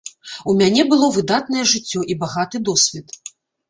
У мяне было выдатнае жыццё і багаты досвед.